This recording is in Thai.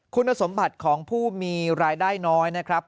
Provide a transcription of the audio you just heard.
คุณสมบัติของผู้มีรายได้น้อยนะครับ